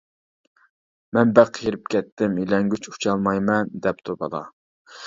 -مەن بەك قېرىپ كەتتىم، ئىلەڭگۈچ ئۇچالمايمەن، -دەپتۇ بالا.